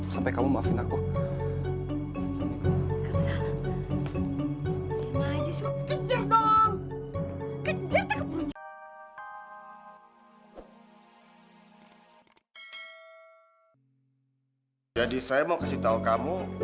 sampai kamu maafin aku